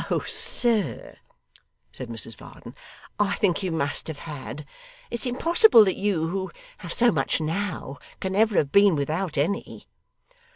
'Oh sir,' said Mrs Varden, 'I think you must have had. It's impossible that you, who have so much now, can ever have been without any.